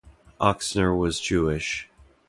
Oksner was Jewish.